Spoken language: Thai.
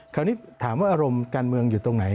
คราวนี้ถามว่าอารมณ์การเมืองอยู่ตรงไหน